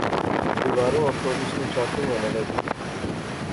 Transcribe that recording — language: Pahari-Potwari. دیواریں اپر اس نی چاکنگ ہونے لغی